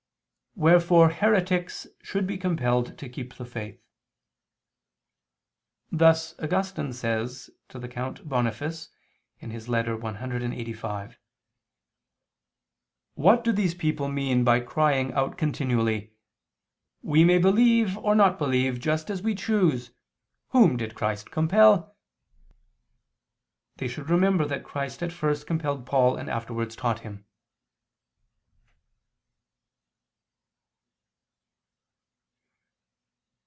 Wherefore heretics should be compelled to keep the faith. Thus Augustine says to the Count Boniface (Ep. clxxxv): "What do these people mean by crying out continually: 'We may believe or not believe just as we choose. Whom did Christ compel?' They should remember that Christ at first compelled Paul and afterwards taught Him."